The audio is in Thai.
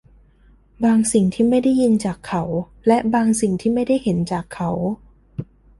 บางสิ่งที่ไม่ได้ยินจากเขา และบางสิ่งที่ไม่ได้เห็นจากเขา